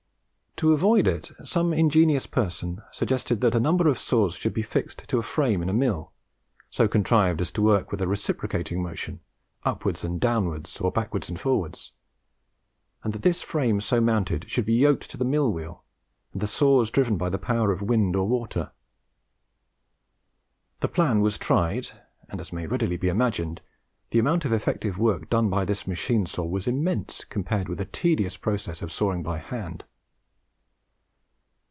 To avoid it, some ingenious person suggested that a number of saws should be fixed to a frame in a mill, so contrived as to work with a reciprocating motion, upwards and downwards, or backwards and forwards, and that this frame so mounted should be yoked to the mill wheel, and the saws driven by the power of wind or water. The plan was tried, and, as may readily be imagined, the amount of effective work done by this machine saw was immense, compared with the tedious process of sawing by hand.